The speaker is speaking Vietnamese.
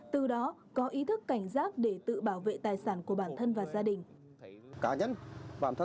từ đó có ý thức cảnh giác để tự bảo vệ tài sản của bản thân và gia đình